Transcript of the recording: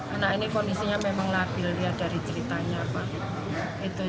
anak ini kondisinya memang labil dari ceritanya